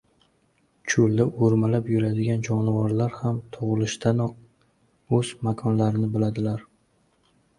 Cho‘lda o‘rmalab yurgan jonivorlar ham tug‘ilshidanoq o‘z makonlarini biladilar